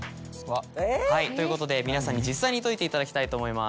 ということで皆さんに実際に解いていただきたいと思います。